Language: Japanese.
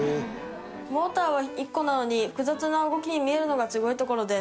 モーターは１個なのに複雑な動きに見えるのがすごいところです。